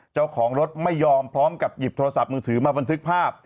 เจ้าของรถไม่ยอมพร้อมกับหยิบโทรศัพท์มือถือมาบันทึกภาพ